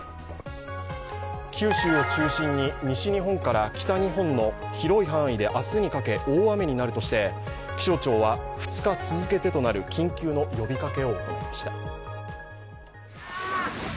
九州を中心に西日本から北日本の広い範囲で明日にかけ、大雨になるとして気象庁は２日続けてとなる緊急の呼びかけを行いました。